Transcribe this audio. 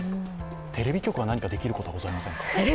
テレビ局が何かできることはございませんか？